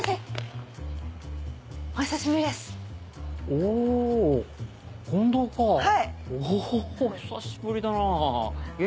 おぉ久しぶりだな。